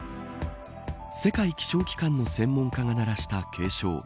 世界気象機関の専門家が鳴らした警鐘。